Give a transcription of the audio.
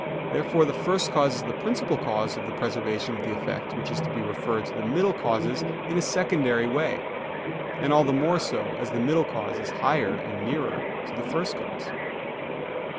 Therefore the first cause is the principal cause of the preservation of the effect which is to be referred to the middle causes in a secondary way; and all the more so, as the middle cause is higher and nearer to the first cause.